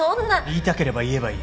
言いたければ言えばいい。